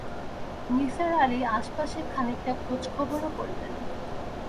নিসার আলি আশেপাশে খানিকটা খোঁজখবরও করলেন।